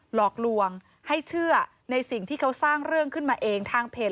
หลอกลวงให้เชื่อในสิ่งที่เขาสร้างเรื่องขึ้นมาเองทางเพจ